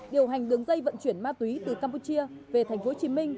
điều hành đường dây vận chuyển ma túy từ campuchia về tp hcm